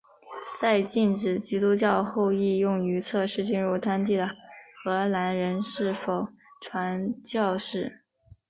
在禁止基督教后亦用于测试进入当地的荷兰人是否传教士。